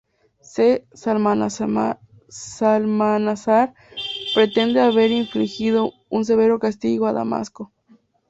C.. Salmanasar pretende haber infligido un severo castigo a Damasco.